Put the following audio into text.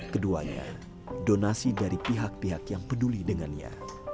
keduanya donasi dari pihak pihak yang peduli dengannya